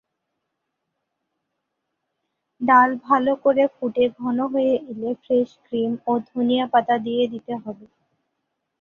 ডাল ভাল করে ফুটে ঘন হয়ে এলে ফ্রেশ ক্রিম ও ধনিয়া পাতা দিয়ে দিতে হবে।